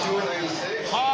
はあ！